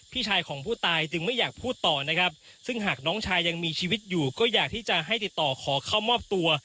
พี่ชายของผู้ตายจึงไม่อยากพูดต่อนะครับซึ่งหากน้องชายยังมีชีวิตอยู่ก็อยากที่จะให้ติดต่อขอเข้ามอบตัว